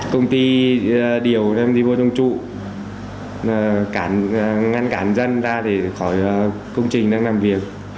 công ty điều đem đi vô trong trụ ngăn cản dân ra khỏi công trình đang làm việc